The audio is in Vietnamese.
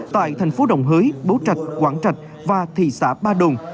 tại thành phố đồng hới bố trạch quảng trạch và thị xã ba đồn